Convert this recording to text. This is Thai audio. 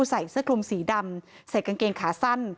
ใส่เสื้อคลุมสีดำใส่กางเกงขาสั้น